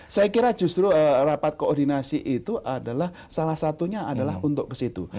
saya kira justru rapat koordinasi itu adalah salah satunya adalah untuk ke situ